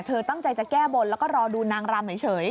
ตั้งใจจะแก้บนแล้วก็รอดูนางรำเฉย